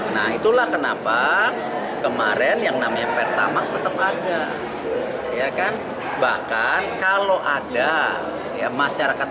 nah itulah kenapa kemarin yang namanya pertamax tetap ada ya kan bahkan kalau ada ya masyarakat